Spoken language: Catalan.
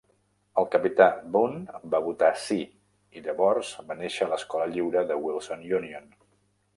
El capità Bunn va votar "sí" i llavors va néixer l'escola lliure de Wilson Union.